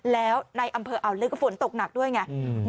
แล้วในอำเภออ่าวลึกก็ฝนตกหนักด้วยไง